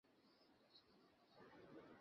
Red আমাদের যেতে হবে, প্লিজ।